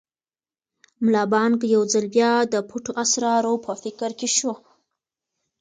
ملا بانګ یو ځل بیا د پټو اسرارو په فکر کې شو.